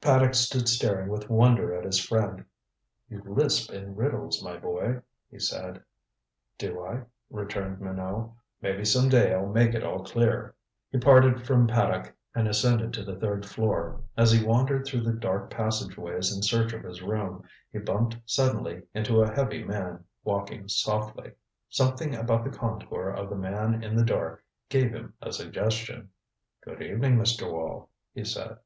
Paddock stood staring with wonder at his friend. "You lisp in riddles, my boy," he said. "Do I?" returned Minot. "Maybe some day I'll make it all clear." He parted from Paddock and ascended to the third floor. As he wandered through the dark passageways in search of his room, he bumped suddenly into a heavy man, walking softly. Something about the contour of the man in the dark gave him a suggestion. "Good evening, Mr. Wall," he said.